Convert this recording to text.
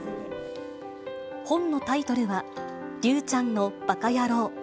本のタイトルは、竜ちゃんのばかやろう。